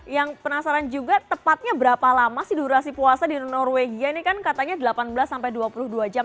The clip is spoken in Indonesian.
yang penasaran juga tepatnya berapa lama sih durasi puasa di norwegia ini kan katanya delapan belas sampai dua puluh dua jam